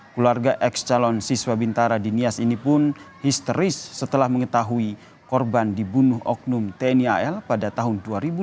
keluarga ex calon siswa bintara di nias ini pun histeris setelah mengetahui korban dibunuh oknum tni al pada tahun dua ribu dua belas